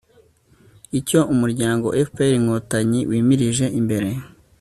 icyo umuryango fpr–inkotanyi wimirije imbere